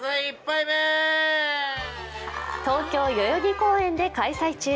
東京・代々木公園で開催中！